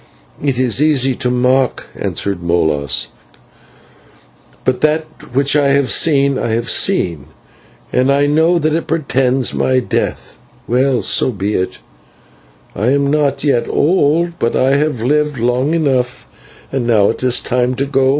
"It is easy to mock," answered Molas, "but that which I have seen, I have seen, and I know that it portends my death. Well, so be it; I am not yet old, but I have lived long enough and now it is time to go.